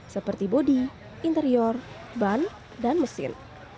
seperti bodi interior ban dan mesin